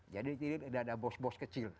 tidak ada bos bos kecil